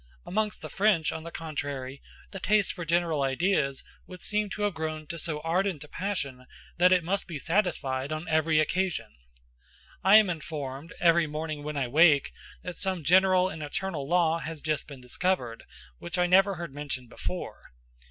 Amongst the French, on the contrary, the taste for general ideas would seem to have grown to so ardent a passion, that it must be satisfied on every occasion. I am informed, every morning when I wake, that some general and eternal law has just been discovered, which I never heard mentioned before.